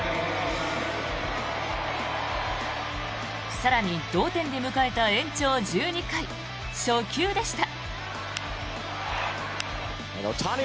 更に、同点で迎えた延長１２回初球でした。